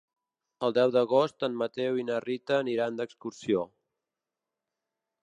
El deu d'agost en Mateu i na Rita aniran d'excursió.